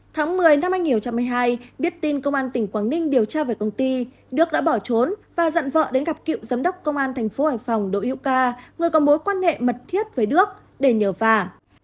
tháng một mươi năm hai nghìn một mươi hai biết tin công an tỉnh quảng ninh điều tra về công ty đức đã bỏ trốn và dặn vợ đến gặp cựu giám đốc công an thành phố hải phòng đỗ hiễu ca người có mối quan hệ mật thiết với đức để nhờ vả